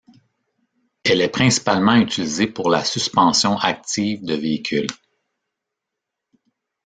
Elle est principalement utilisée pour la suspension active de véhicules.